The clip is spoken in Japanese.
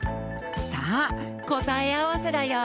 さあこたえあわせだよ。